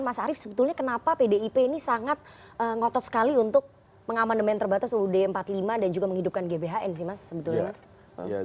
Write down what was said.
mas arief sebetulnya kenapa pdip ini sangat ngotot sekali untuk mengamandemen terbatas uud empat puluh lima dan juga menghidupkan gbhn sih mas sebetulnya mas